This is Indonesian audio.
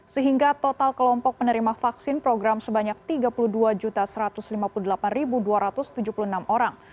sehingga total kelompok penerima vaksin program sebanyak tiga puluh dua satu ratus lima puluh delapan dua ratus tujuh puluh enam orang